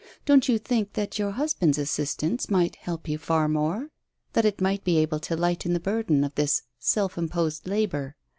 Don't you think that your husband's assistance might help you far more? That it might be able to lighten the burden of this self imposed labour.